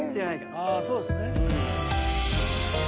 ああそうですね。